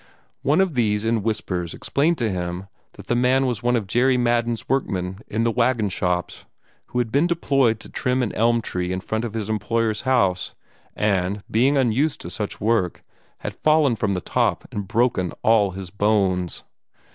One of these in whispers explained to him that the man was one of Jerry Madden's workmen in the wagon shops, who had been deployed to trim an elm tree in front of his employer's house, and, being unused to such work, had fallen from the top and broken all his bones.